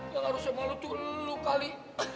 ya harusnya malu dulu kali